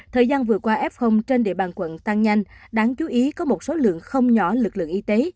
thời gian vừa qua f trên địa bàn quận tăng nhanh đáng chú ý có một số lượng không nhỏ lực lượng y tế